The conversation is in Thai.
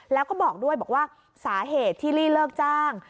แล้วก็บอกด้วยบอกว่าสาเหตุที่ลี่เลิกจ้าง